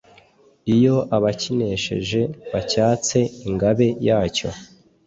iyo abakinesheje bacyatse ingabe yacyo